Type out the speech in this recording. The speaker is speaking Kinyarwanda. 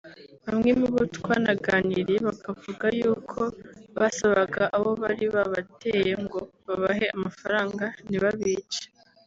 bamwe mu bo twanaganiriye bakavuga yuko basabaga abo bari babateye ngo babahe amafaranga ntibabice